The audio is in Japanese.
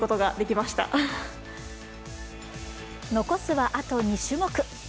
残すは、あと２種目。